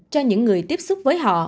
cho những người tiếp xúc với họ